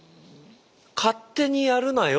勝手にやるなよ